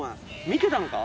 見てたのか？